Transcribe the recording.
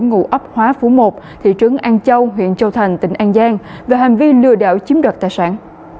ngụ ấp hóa phú một thị trấn an châu huyện châu thành tỉnh an giang về hành vi lừa đảo chiếm đoạt tài sản